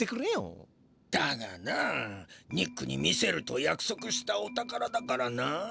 だがなニックに見せるとやくそくしたお宝だからな。